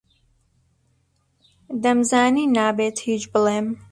دەمزانی نابێت هیچ بڵێم.